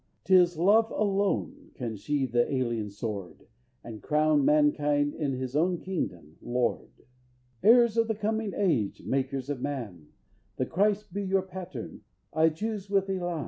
'Tis love alone can sheathe the alien sword, And crown mankind in his own kingdom lord." _Heirs of the coming age, Makers of man, The Christ be your pattern, Ay, choose with elan.